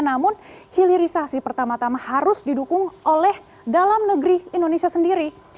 namun hilirisasi pertama tama harus didukung oleh dalam negeri indonesia sendiri